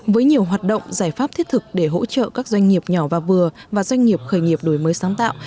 với nhiều hoạt động giải pháp thiết thực để hỗ trợ các doanh nghiệp nhỏ và vừa và doanh nghiệp khởi nghiệp đổi mới sáng tạo